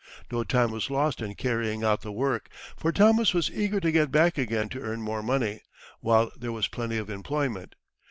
No time was lost in carrying out the work, for Thomas was eager to get back again to earn more money while there was plenty of employment.